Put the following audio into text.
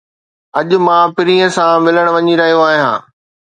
اڄ مان پرينءَ سان ملڻ وڃي رھيو آھيان.